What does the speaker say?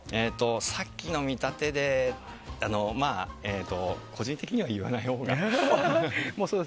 さっきの見立てで個人的には言わないほうが。